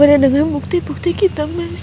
berbeda dengan bukti bukti kita mas